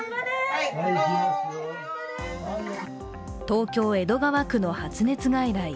東京・江戸川区の発熱外来。